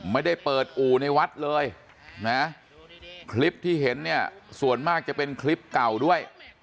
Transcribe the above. ไม่ได้เปิดอู่ในวัดเลยนะคลิปที่เห็นเนี่ยส่วนมากจะเป็นคลิปเก่าด้วย